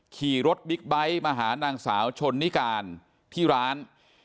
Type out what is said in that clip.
ขี่รถบิ๊กไบท์มาหานางสาวชนนิการที่ร้าน